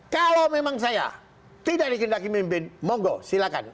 kalau memang saya tidak dikendaki memimpin monggo silahkan